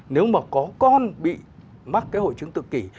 nếu mà có con bị mắc cái hội chứng tự kỷ